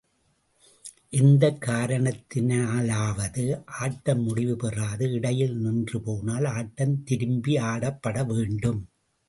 எந்தக் காரணத்தினாலாவது ஆட்டம் முடிவுபெறாது இடையிலே நின்றுபோனால், ஆட்டம் திரும்பி ஆடப்பட வேண்டும்.